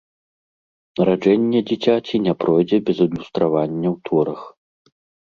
Нараджэнне дзіцяці не пройдзе без адлюстравання ў творах.